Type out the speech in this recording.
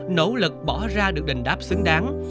nỗ lực bỏ ra được đình đáp xứng đáng